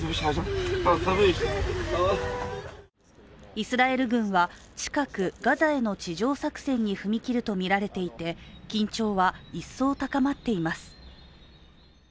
イスラエル軍は近くガザへの地上作戦に踏み切るとみられていて緊張は、一層高まっています。